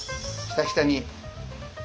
ひたひたに。